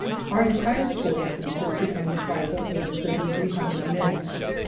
Our entire force consisted of a trifle over thirty three hundred men.